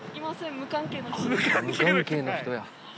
無関係の人や。